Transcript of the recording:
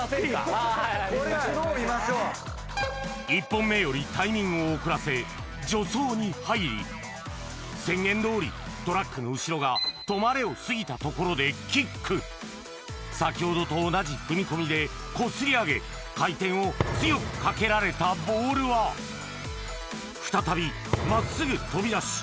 １本目よりタイミングを遅らせ助走に入り宣言どおりトラックの後ろが「止まれ」を過ぎたところでキック先ほどと同じ踏み込みでこすり上げ回転を強くかけられたボールは再び真っすぐ飛び出し